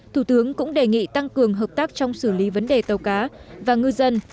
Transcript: thủ tướng cũng đề nghị tăng cường hợp tác trong xử lý vấn đề tàu cá và ngư dân